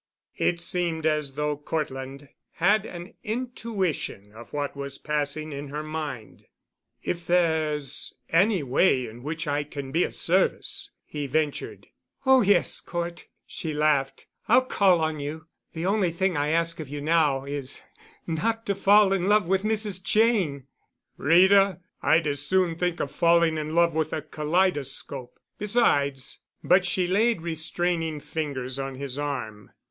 It seemed as though Cortland had an intuition of what was passing in her mind. "If there's any way in which I can be of service," he ventured. "Oh, yes, Cort," she laughed. "I'll call on you. The only thing I ask of you now is—not to fall in love with Mrs. Cheyne." "Rita? I'd as soon think of falling in love with a kaleidoscope. Besides——" But she laid restraining fingers on his arm.